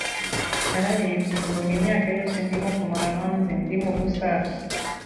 nararebye mbona imyaka yose ndimo kumara hanze ndimo gusaza